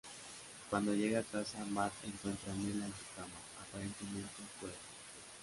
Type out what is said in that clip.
Cuando llega a casa, Matt encuentra a Milla en su cama, aparentemente cuerda.